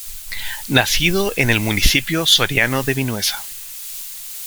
Nacido en el municipio soriano de Vinuesa.